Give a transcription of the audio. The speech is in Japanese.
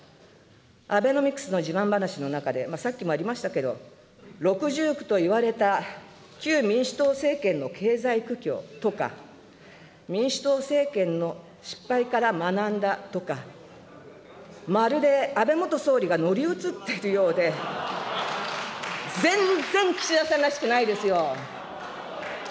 アベノミクスの自慢話の中で、さっきもありましたけど、六重苦といわれた旧民主党政権の経済苦境とか、民主党政権の失敗から学んだとか、まるで安倍元総理が乗り移っているようで、全然岸田さんらしくないですよ。